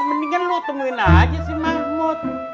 mendingan lu temuin aja si mahmud